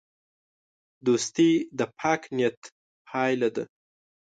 دوستي د پاک نیت پایله ده.